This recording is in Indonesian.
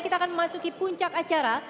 kita akan memasuki puncak acara